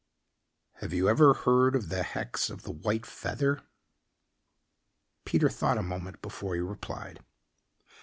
"Have you ever heard of the hex of the white feather?" Peter thought a moment before he replied.